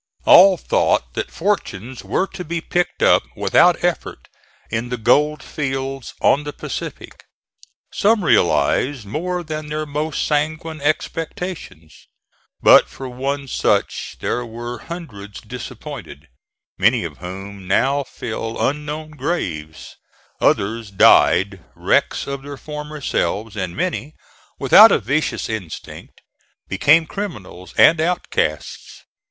All thought that fortunes were to be picked up, without effort, in the gold fields on the Pacific. Some realized more than their most sanguine expectations; but for one such there were hundreds disappointed, many of whom now fill unknown graves; others died wrecks of their former selves, and many, without a vicious instinct, became criminals and outcasts.